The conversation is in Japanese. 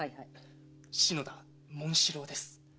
篠田紋四郎です。